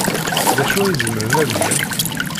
D acu ay zemren ad gen?